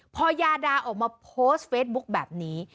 พอยาดาออกมาโพสต์เฟซบุ๊คแบบนี้